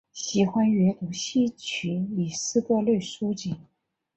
喜欢阅读戏曲与诗歌类书籍。